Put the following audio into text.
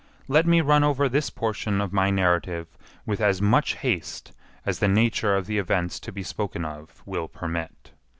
Let me run over this portion of my narrative with as much haste as the nature of the events to be spoken of will permit.